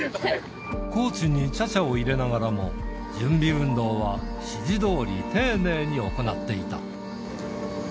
コーチにちゃちゃを入れながらも、準備運動は指示どおり丁寧に行っていた。